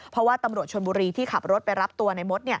เพราะว่าตำรวจชนบุรีที่ขับรถไปรับตัวในมด